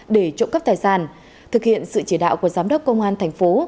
để trộm cắp tài sản thực hiện sự chỉ đạo của giám đốc công an thành phố